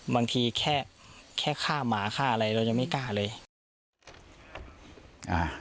บางทีแค่แค่ฆ่าหมาฆ่าอะไรเรายังไม่กล้าเลย